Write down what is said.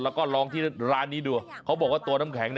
แล้วก็ลองที่ร้านนี้ดูเขาบอกว่าตัวน้ำแข็ง